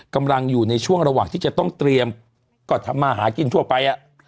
กำลังอยู่ในช่วงระหว่างที่จะต้องเตรียมก็ทำมาหากินทั่วไป